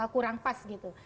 kurang pas gitu